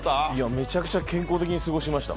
めちゃくちゃ健康的に過ごしました。